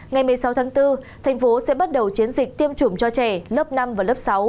ngày một mươi sáu tháng bốn thành phố sẽ bắt đầu chiến dịch tiêm chủng cho trẻ lớp năm và lớp sáu